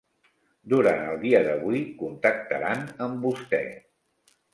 Durant el dia d'avui contactaran amb vostè.